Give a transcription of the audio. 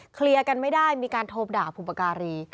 เคลียร์กันไม่ได้มีการโทรด่าบุปการี